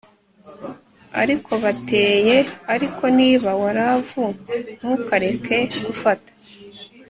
ari ko bateye Ariko niba waravu Ntukareke gufata